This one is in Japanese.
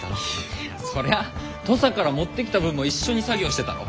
いやそりゃあ土佐から持ってきた分も一緒に作業してたろ？